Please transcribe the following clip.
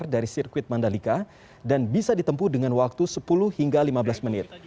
dari sirkuit mandalika dan bisa ditempuh dengan waktu sepuluh hingga lima belas menit